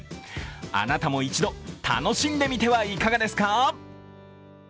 あなたも一度、楽しんでみてはいかがですか？